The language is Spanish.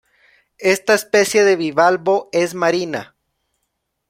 Esta especie de bivalvo es marina.